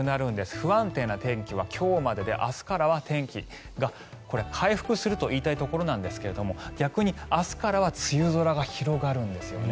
不安定な天気は今日までで明日からは天気が回復すると言いたいところなんですが逆に明日からは梅雨空が広がるんですよね。